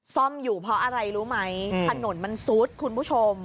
ซ่อมอยู่เพราะอะไรรู้ไหมถนนมันซุดคุณผู้ชม